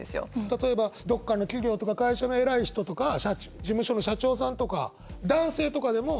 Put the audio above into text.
例えばどっかの企業とか会社の偉い人とか事務所の社長さんとか男性とかでも？